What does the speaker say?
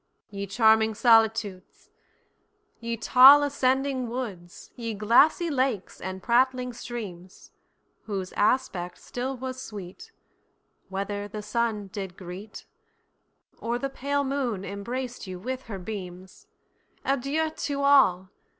Ye charming solitudes, Ye tall ascending woods, Ye glassy lakes and prattling streams, Whose aspect still was sweet, Whether the sun did greet, Or the pale moon embraced you with her beams—Adieu to all!